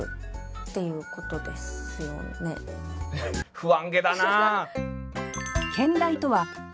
不安げだな。